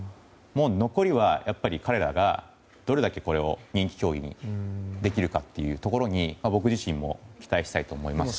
残りは彼らがどれだけこれを人気競技にできるかというところに僕自身も期待したいと思いますし。